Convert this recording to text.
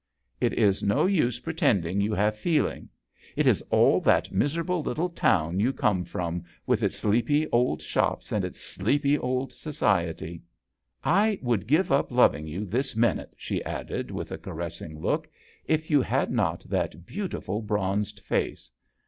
" It is no use pretending you have feeling. It is all that miserable little town you come: 5 74 JOHN SHERMAN. from, with its sleepy old shops and its sleepy old society. I would give up loving you this minute/' she added, with a .caressing look, " if you had not that beautiful bronzed face.